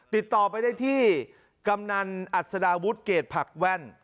ติดต่อไปได้ที่กำนันอัศดาวุฒิเกรดผักแว่น